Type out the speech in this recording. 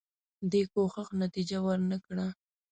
دې کوښښ نتیجه ورنه کړه.